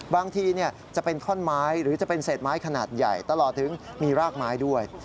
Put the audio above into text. บางทีจะเป็นท่อนไม้หรือจะเป็นเศษไม้ขนาดใหญ่ตลอดถึงมีรากไม้ด้วย